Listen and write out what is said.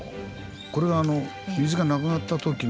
これが水がなくなった時の。